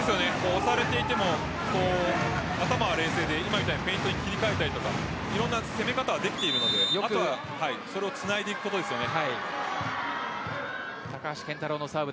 押されていても頭が冷静で今みたいにフェイントに切り替えられたりとかいろんな攻め方ができているのでそれをつないでいくことですよね。